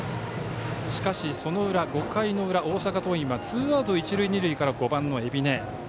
しかし、その裏、５回の裏大阪桐蔭はツーアウト一塁二塁から５番、海老根。